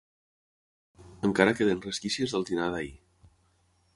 Encara queden resquícies del dinar d'ahir.